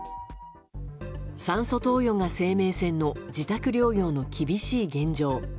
酸素投与が生命線の自宅療養の厳しい現状。